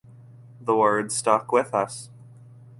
The word stuck with us.